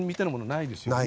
ないですね。